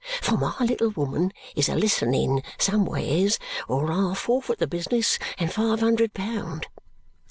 For my little woman is a listening somewheres, or I'll forfeit the business and five hundred pound!"